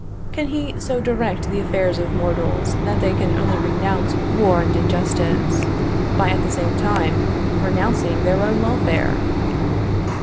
Can he so direct the affairs of mortals, that they can only renounce war and injustice by, at the same time, renouncing their own welfare?